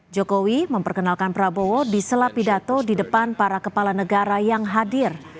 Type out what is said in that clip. jokowi memperkenalkan prabowo di sela pidato di depan para kepala negara yang hadir